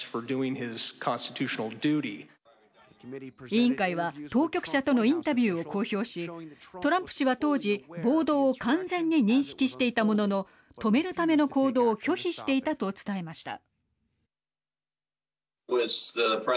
委員会は当局者とのインタビューを公表しトランプ氏は当時暴動を完全に認識していたものの止めるための行動を拒否していたと伝えました。